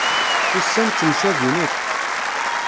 Ussan temcabin akk.